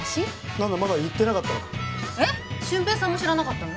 何だまだ言ってなかったのかえっ俊平さんも知らなかったの？